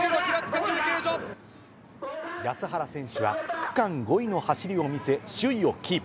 安原選手は、区間５位の走りを見せ、首位をキープ。